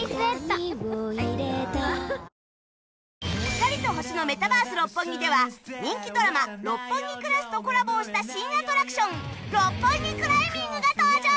光と星のメタバース六本木では人気ドラマ『六本木クラス』とコラボをした新アトラクション六本木クライミングが登場